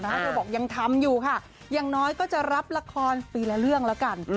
เธอบอกยังทำอยู่ค่ะอย่างน้อยก็จะรับละครปีละเรื่องแล้วกัน